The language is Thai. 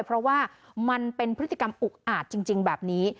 เพราะว่ามันเป็นพฤติกรรมอุกอาจจริงแบบนี้